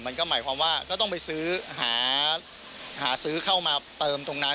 มันก็หมายความว่าก็ต้องไปซื้อหาซื้อเข้ามาเติมตรงนั้น